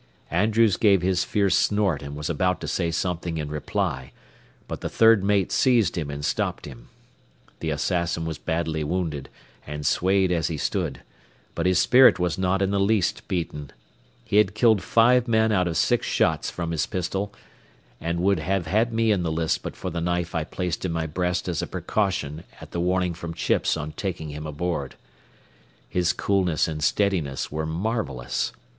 Andrews gave his fierce snort and was about to say something in reply, but the third mate seized him and stopped him. The assassin was badly wounded and swayed as he stood, but his spirit was not in the least beaten. He had killed five men out of six shots from his pistol and would have had me in the list but for the knife I placed in my breast as a precaution at the warning from Chips on taking him aboard. His coolness and steadiness were marvellous.